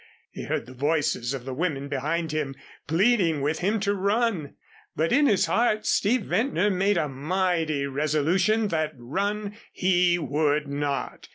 He heard the voices of the women behind him, pleading with him to run, but in his heart Steve Ventnor made a mighty resolution that run he would not.